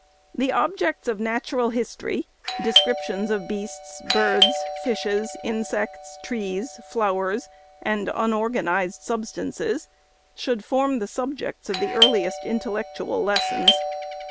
The objects of natural history, — descrip tions of beasts, birds, fishes, insects, trees, flowers, and unorganized substances, should form the subjects of the earliest intellectual lessons.